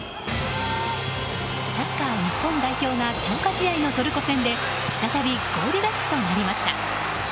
サッカー日本代表が強化試合のトルコ戦で再びゴールラッシュとなりました。